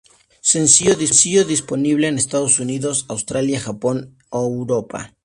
Sencillo disponible en Estados Unidos, Australia, Japón o Europa.